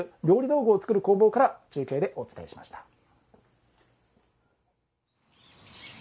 料理道具を作る工房から中継でお伝えしました。